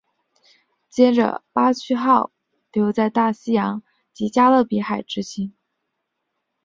接着巴区号留在大西洋及加勒比海执勤。